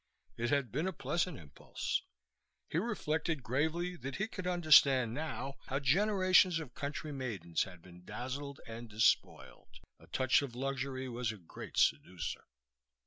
It had been a pleasant impulse. He reflected gravely that he could understand now how generations of country maidens had been dazzled and despoiled. A touch of luxury was a great seducer.